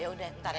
yaudah ntar ya